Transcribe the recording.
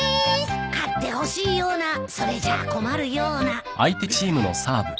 勝ってほしいようなそれじゃあ困るような。